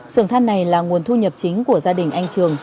sườn than này là nguồn thu nhập chính của gia đình anh trường